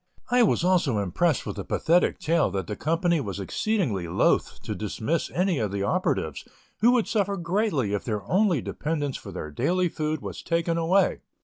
I was also impressed with the pathetic tale that the company was exceedingly loth to dismiss any of the operatives, who would suffer greatly if their only dependence for their daily food was taken away.